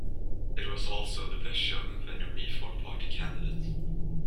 It was also the best showing of any Reform Party candidate.